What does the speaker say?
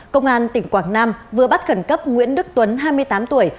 công an tỉnh quảng nam vừa bắt khẩn cấp nguyễn đức tuấn hai mươi tám tuổi